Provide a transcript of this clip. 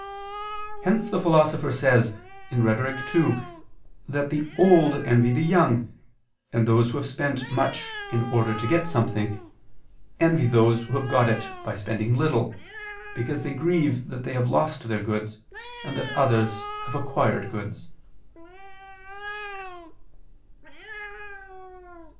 Hence the Philosopher says (Rhet. ii) that the old envy the young, and those who have spent much in order to get something, envy those who have got it by spending little, because they grieve that they have lost their goods, and that others have acquired goods.